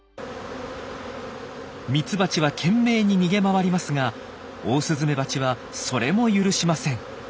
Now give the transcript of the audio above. ミツバチは懸命に逃げ回りますがオオスズメバチはそれも許しません。